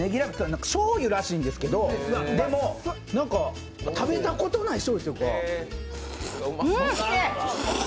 しょうゆらしいんですけど、食べたことないしょうゆというか。